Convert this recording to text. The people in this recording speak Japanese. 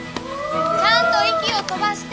ちゃんと息を飛ばして！